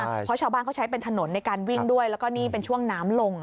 เพราะชาวบ้านเขาใช้เป็นถนนในการวิ่งด้วยแล้วก็นี่เป็นช่วงน้ำลง